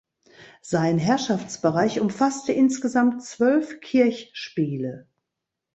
Sein Herrschaftsbereich umfasste insgesamt zwölf Kirchspiele.